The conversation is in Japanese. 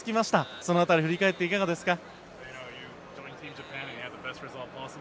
その辺り振り返っていかがですか？